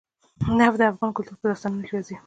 نفت د افغان کلتور په داستانونو کې راځي.